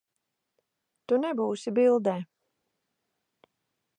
Tu nebūsi bildē.